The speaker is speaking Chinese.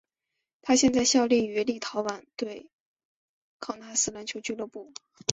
他现在效力于立陶宛球队考纳斯篮球俱乐部。